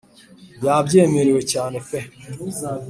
yabyemerewe cyane pe